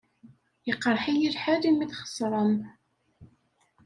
Iqeṛṛeḥ-iyi lḥal imi txeṣṛem.